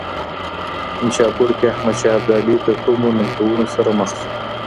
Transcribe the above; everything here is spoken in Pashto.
نیشاپور کي احمد شاه ابدالي د کومو ننګونو سره مخ سو؟